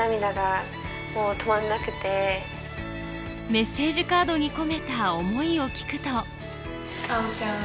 メッセージカードに込めた思いを聞くと葵ちゃん。